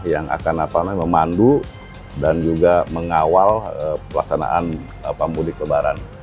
yang akan apa namanya memandu dan juga mengawal pelaksanaan pemudik lebaran